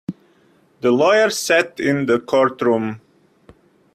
The lawyer sat in the courtroom.